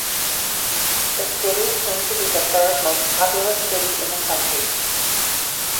The city came to be the third most populous city in the country.